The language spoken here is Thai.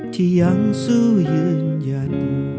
ที่ยังสู้ยืนยัน